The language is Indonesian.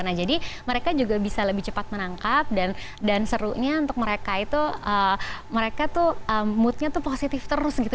nah jadi mereka juga bisa lebih cepat menangkap dan serunya untuk mereka itu mereka tuh moodnya tuh positif terus gitu